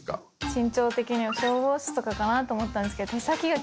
身長的には消防士とかかなと思ったんですけど。